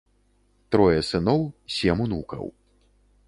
Трое сыноў, сем унукаў.